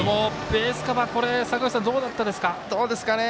ベースカバー、どうだったですか。